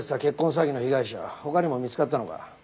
詐欺の被害者他にも見つかったのか？